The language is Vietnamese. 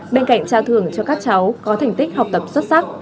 bên cạnh trao thường cho các cháu có thành tích học tập xuất sắc